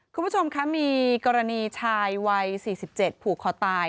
คุณผู้ชมคะมีกรณีชายวัย๔๗ผูกคอตาย